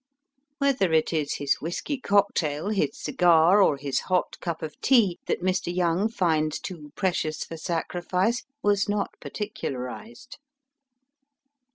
Whether it is his whisky cocktail, his cigar, or his hot cup of tea that Mr. Young finds too precious for sacrifice was not particularized.